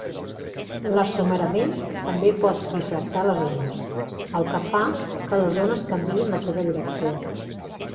L'assomerament també pot difractar les ones, el que fa que les ones canviïn la seva direcció.